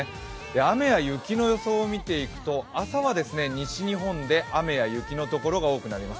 雨や雪の予想を見ていくと、朝は西日本で雨や雪のところが多くなります。